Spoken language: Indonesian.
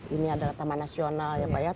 ini adalah taman nasional ya pak ya